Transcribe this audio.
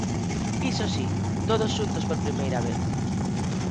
Iso si, todos xuntos por primeira vez.